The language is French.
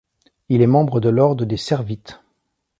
Il est membre de l'ordre des servites.